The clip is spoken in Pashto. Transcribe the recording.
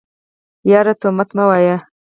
يره تومت مه وايه.